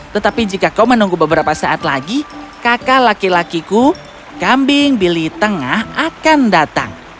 tetapi jika kau menunggu beberapa saat lagi kakak laki lakiku kambing bili tengah akan datang